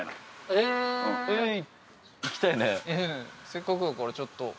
せっかくだからちょっと。